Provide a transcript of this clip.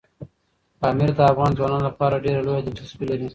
پامیر د افغان ځوانانو لپاره ډېره لویه دلچسپي لري.